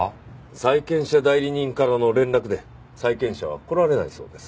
債権者代理人からの連絡で債権者は来られないそうです。